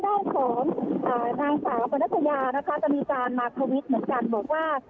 ได้ของอ่านางสาวบรรณสยานะคะจะมีการมาร์คโทวิดเหมือนกันบอกว่า